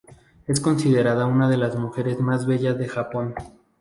Es considerada una de las mujeres más bellas de Japón.